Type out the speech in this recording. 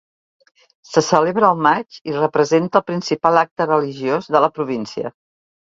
Se celebra al maig i representa el principal acte religiós de la província.